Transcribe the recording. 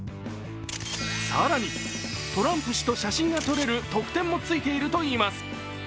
更に、トランプ氏と写真が撮れる特典もついているといいます。